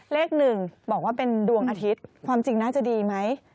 เลข๑บอกว่าเป็นดวงอาทิตย์ความจริงน่าจะดีไหม